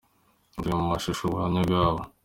Dore mu mashusho ubuhamya bwabo :.